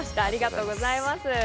ありがとうございます。